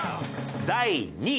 第２位。